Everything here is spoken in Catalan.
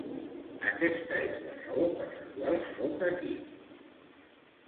Aquesta es la raó per la qual soc aquí.